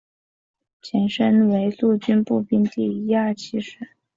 前身为陆军步兵第一二七师